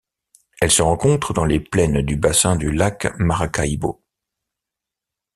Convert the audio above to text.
Elle se rencontre dans les plaines du bassin du lac Maracaibo.